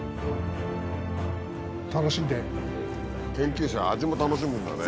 研究者は味も楽しむんだね。